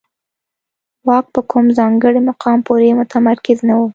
واک په کوم ځانګړي مقام پورې متمرکز نه و